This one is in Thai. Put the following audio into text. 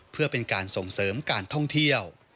เพื่อเป็นการส่งเสริมการท่องเที่ยว